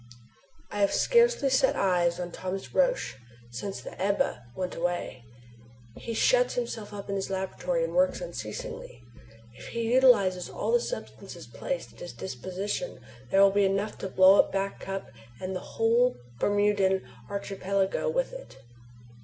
I have scarcely set eyes upon Thomas Roch since the Ebba went away. He shuts himself up in his laboratory and works unceasingly. If he utilizes all the substances placed at his disposition there will be enough to blow up Back Cup and the whole Bermudan archipelago with it!